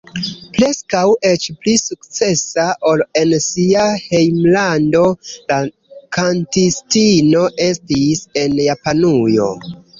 Preskaŭ eĉ pli sukcesa ol en sia hejmlando la kantistino estis en Japanujo.